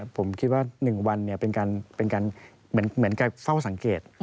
ผมคิดว่า๑วันเป็นการเหมือนกับเฝ้าสังเกต